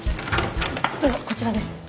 どうぞこちらです。